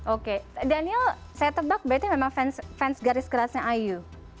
oke daniel saya tebak berarti memang fans garis kerasnya ayu